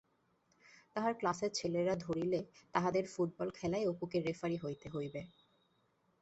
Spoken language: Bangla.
তাহার ক্লাসের ছেলেরা ধরিলে তাহদের ফুটবল খেলায় অপুকে রেফারি হইতে হইবে।